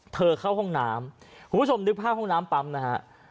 เข้าห้องน้ำคุณผู้ชมนึกภาพห้องน้ำปั๊มนะฮะ